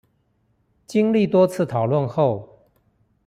經歷多次討論後